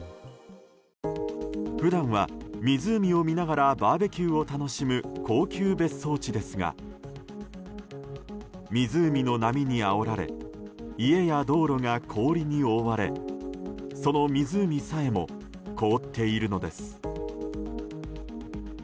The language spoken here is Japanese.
普段は湖を見ながらバーベキューを楽しむ高級別荘地ですが湖の波にあおられ家や道路が氷に覆われその湖さえも凍っているのです。